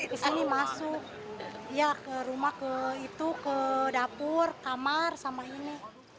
di sini masuk ya ke rumah ke itu ke dapur kamar sama ini